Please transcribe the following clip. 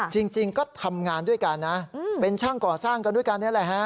จริงก็ทำงานด้วยกันนะเป็นช่างก่อสร้างกันด้วยกันนี่แหละฮะ